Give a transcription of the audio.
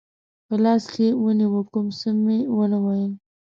په لاس کې ونیو، کوم څه مې و نه ویل.